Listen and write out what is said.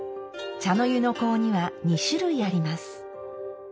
茶の湯の香には２種類あります。